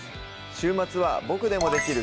週末は「ボクでもできる！